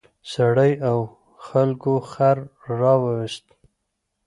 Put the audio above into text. سړي او خلکو خر راوویست.